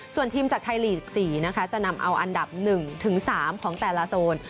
ส่วนทีมจากไทยลีก๔นะคะจะนำเอาอันดับ๑๓ของแต่ละโซน